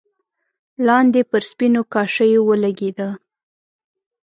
لاندې پر سپينو کاشيو ولګېده.